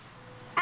あ。